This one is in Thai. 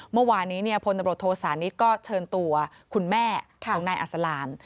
เมื่อวานี้พศนี่ก็เชิญตัวคุณแม่ของนายอัศลาม